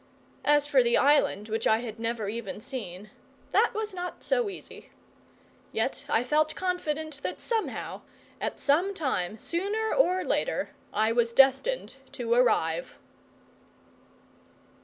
As for the island which I had never even seen, that was not so easy. Yet I felt confident that somehow, at some time, sooner or later, I was destined to arrive.